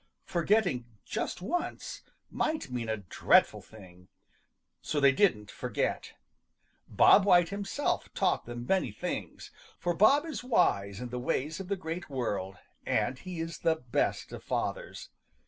Forgetting just once might mean a dreadful thing. So they didn't forget. Bob White himself taught them many things, for Bob is wise in the ways of the Great World, and he is the best of fathers.